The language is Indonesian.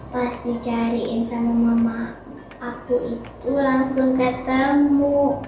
pas dicariin sama mama aku itu langsung ketemu